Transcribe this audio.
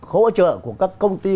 hỗ trợ của các công ty